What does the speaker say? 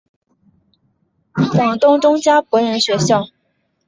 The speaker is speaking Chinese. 广东中加柏仁学校。